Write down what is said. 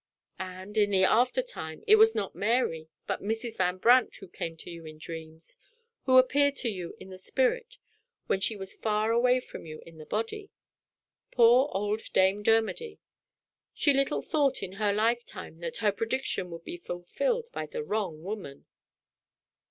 "And, in the after time, it was not Mary, but Mrs. Van Brandt who came to you in dreams who appeared to you in the spirit, when she was far away from you in the body? Poor old Dame Dermody. She little thought, in her life time, that her prediction would be fullfilled by the wrong woman!"